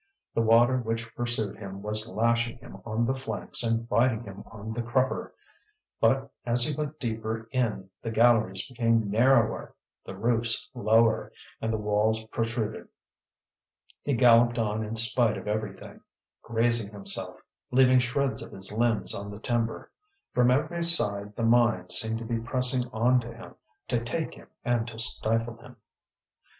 The water which pursued him was lashing him on the flanks and biting him on the crupper. But as he went deeper in, the galleries became narrower, the roofs lower, and the walls protruded. He galloped on in spite of everything, grazing himself, leaving shreds of his limbs on the timber. From every side the mine seemed to be pressing on to him to take him and to stifle him.